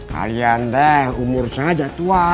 kalian deh umur saja tua